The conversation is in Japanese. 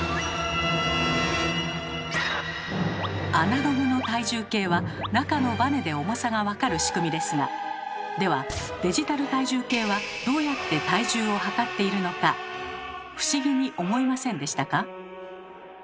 アナログの体重計は中のバネで重さが分かる仕組みですがではデジタル体重計はどうやって体重をはかっているのか不思議に思いませんでしたか？